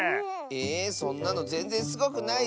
えそんなのぜんぜんすごくないッス！